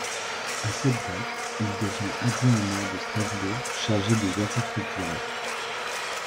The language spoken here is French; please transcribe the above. À cette date, il devint adjoint au maire de Strasbourg chargé des Affaires culturelles.